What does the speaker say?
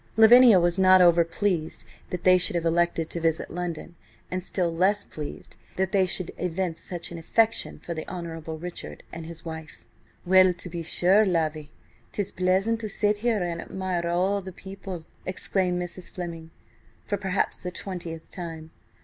Lavinia was not over pleased that they should have elected to visit London, and still less pleased that they should evince such an affection for the Hon. Richard and his wife. "Well, to be sure, Lavvy, 'tis pleasant to sit here and admire all the people!" exclaimed Mrs. Fleming, for perhaps the twentieth time.